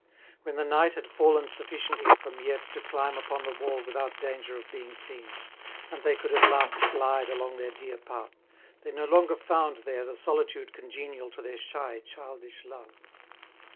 When the night had fallen sufficiently for Miette to climb upon the wall without danger of being seen, and they could at last glide along their dear path, they no longer found there the solitude congenial to their shy, childish love.